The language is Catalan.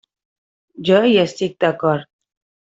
Jo hi estic d'acord.